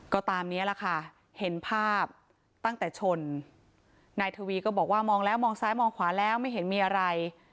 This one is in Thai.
ก็ตามนี้แหละค่ะเห็นภาพตั้งแต่ชนนายทวีก็บอกว่ามองแล้วมองซ้ายมองขวาแล้วไม่เห็นมีอะไร